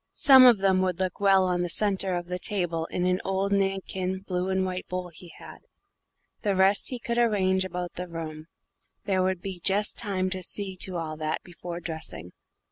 Some of them would look well on the centre of the table in an old Nankin blue and white bowl he had; the rest he could arrange about the room: there would just be time to see to all that before dressing.